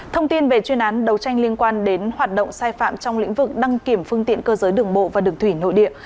thông tin về chuyên án đấu tranh liên quan đến hoạt động sai phạm trong lĩnh vực đăng kiểm phương tiện cơ giới đường bộ và đường thủy nội địa